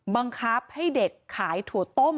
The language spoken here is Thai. บังคับให้เด็กขายถั่วต้ม